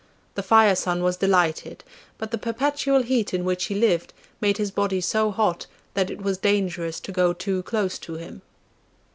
The Fire son was delighted, but the perpetual heat in which he lived made his body so hot, that it was dangerous to go too close to him.